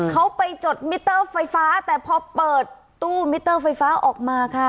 เขาไปจดมิเตอร์ไฟฟ้าแต่พอเปิดตู้มิเตอร์ไฟฟ้าออกมาค่ะ